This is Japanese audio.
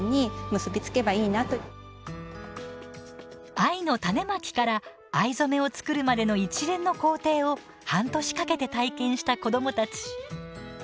藍の種まきから藍染めを作るまでの一連の工程を半年かけて体験した子どもたち。